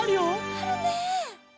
あるね！